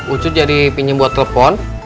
ucut jadi pinjem buat telepon